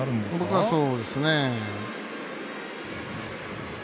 僕は、そうですね。